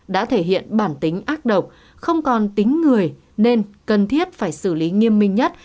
đã thể hiện bản tính ác độc không còn tính người nên cần thiết phải xử lý nghiêm minh nhất